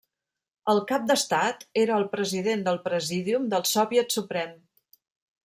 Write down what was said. El cap d'Estat era el President del Presídium del Soviet Suprem.